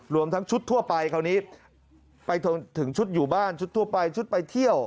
รวมทั้งชุดทั่วไปคราวนี้ไปถึงชุดอยู่บ้านชุดทั่วไปชุดไปเที่ยว